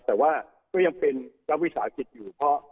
แต่ว่าก็ยังเป็นรัฐวิสาหกิจอยู่เพราะ